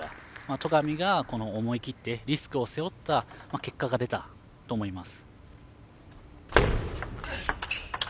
戸上が思い切ってリスクを背負った結果が出たと思います。